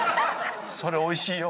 それおいしいよ。